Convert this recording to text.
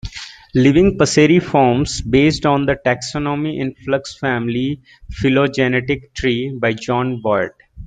Living Passeriformes based on the "Taxonomy in Flux family phylogenetic tree" by John Boyd.